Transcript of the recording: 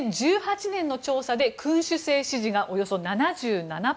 ２０１８年の調査で君主制支持がおよそ７７％